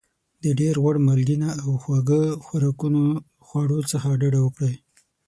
د ډېر غوړ مالګېنه او خواږه خوراکونو خواړو څخه ډاډه وکړئ.